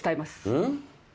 うん？